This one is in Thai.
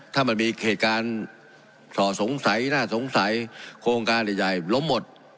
ถ้ามันมีเหตุการณ์ส่อสงสัยน่าสงสัยโครงการใหญ่ล้มหมด